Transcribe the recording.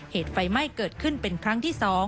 เหตุไฟไหม้เกิดขึ้นเป็นครั้งที่๒